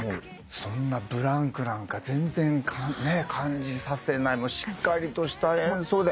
そんなブランクなんか全然感じさせないしっかりとした演奏で。